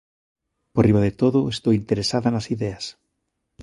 Por riba de todo estou interesada nas ideas.